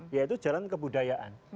yaitu jalan kebudayaan